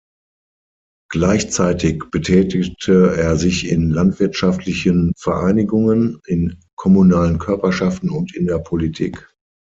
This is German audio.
Gleichzeitig betätigte er sich in landwirtschaftlichen Vereinigungen, in kommunalen Körperschaften und in der Politik.